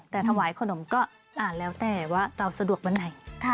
แต่ถวายขนมก็อ่านแล้วแต่ว่าเราสะดวกวันไหน